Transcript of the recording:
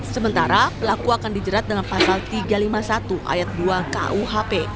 sementara pelaku akan dijerat dengan pasal tiga ratus lima puluh satu ayat dua kuhp